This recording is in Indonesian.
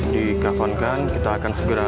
dikakonkan kita akan segera